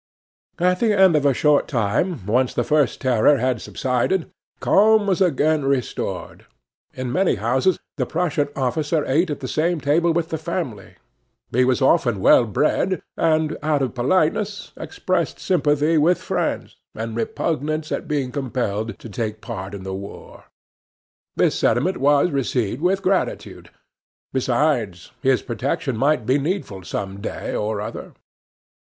At the end of a short time, once the first terror had subsided, calm was again restored. In many houses the Prussian officer ate at the same table with the family. He was often well bred, and, out of politeness, expressed sympathy with France and repugnance at being compelled to take part in the war. This sentiment was received with gratitude; besides, his protection might be needful some day or other.